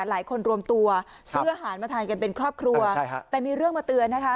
รวมตัวซื้ออาหารมาทานกันเป็นครอบครัวใช่ฮะแต่มีเรื่องมาเตือนนะคะ